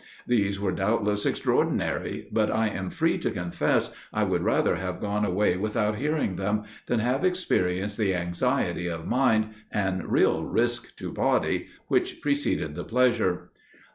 These were doubtless extraordinary, but I am free to confess I would rather have gone away without hearing them than have experienced the anxiety of mind, and real risk to body, which preceded the pleasure.